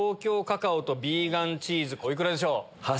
お幾らでしょう？